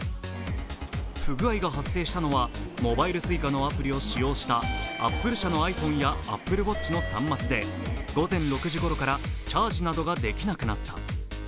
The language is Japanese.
不具合が発生したのはモバイルＳｕｉｃａのアプリを使用したアップル者のｉＰｈｏｎｅやＡｐｐｌｅＷａｔｃｈの端末で午前６時ごろからチャージなどができなくなった。